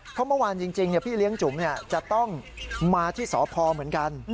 เพราะเมื่อวานจริงพี่เลี้ยงจุ๋มจะต้องมาที่สพเหมือนกัน